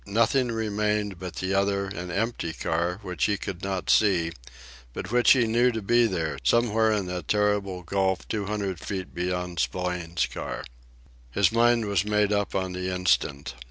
Nothing remained but the other and empty car, which he could not see, but which he knew to be there, somewhere in that terrible gulf two hundred feet beyond Spillane's car. His mind was made up on the instant.